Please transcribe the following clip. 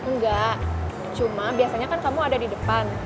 enggak cuma biasanya kan kamu ada di depan